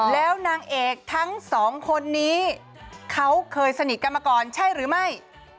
แล้วนางเอกทั้งสองคนนี้เขาเคยสนิทกันมาก่อนใช่หรือไม่